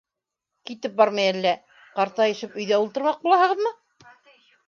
— Китеп бармай әллә, ҡартайышып өйҙә ултырмаҡ булаһығыҙмы?